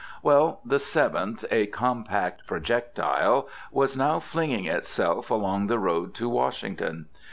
Well, the Seventh, a compact projectile, was now flinging itself along the road to Washington.